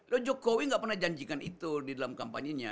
loh jokowi nggak pernah janjikan itu di dalam kampanye nya